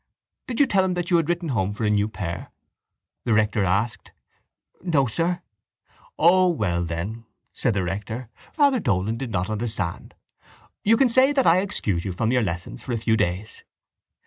—Did you tell him that you had written home for a new pair? the rector asked. —No, sir. —O well then, said the rector, Father Dolan did not understand. You can say that I excuse you from your lessons for a few days.